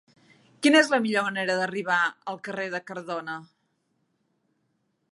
Quina és la millor manera d'arribar al carrer de Cardona?